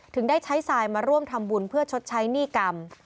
ได้ใช้ทรายมาร่วมทำบุญเพื่อชดใช้หนี้กรรม